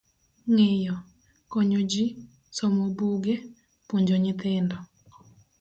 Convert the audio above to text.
Ng'iyo: konyo ji, somo buge, puonjo nyithindo.